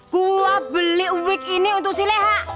gue beli uik ini untuk si leha